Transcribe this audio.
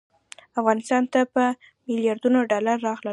افغانستان ته په میلیاردونو ډالر راغلل.